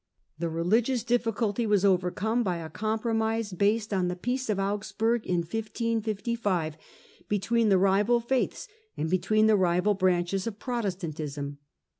The religious difficulty was overcome by a com promise, based on the Peace of Augsburg in 1555, Compromise between the rival faiths and between the rival on religion, branches of Protestantism.